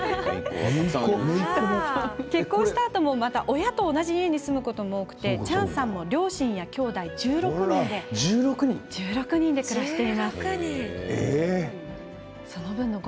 結婚したあとも親と同じ家に住むことも多くチャーンさんも両親やきょうだい１６人で暮らしています。